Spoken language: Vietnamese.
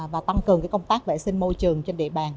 và tăng cường công tác vệ sinh môi trường trên địa bàn